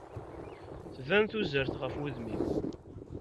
Tban tuzert ɣef udem-im.